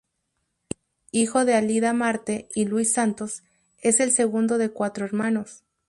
Hijo de Alida Marte y Luis Santos, es el segundo de cuatro hermanos.